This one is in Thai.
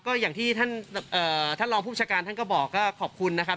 ก็อย่างที่ท่านรองผู้ประชาการท่านก็บอกก็ขอบคุณนะครับ